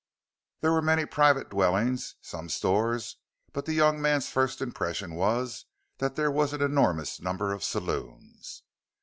There were many private dwellings, some stores, but the young man's first impression was that there was an enormous number of saloons.